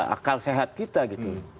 akal sehat kita gitu